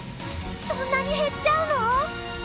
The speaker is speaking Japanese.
そんなに減っちゃうの！？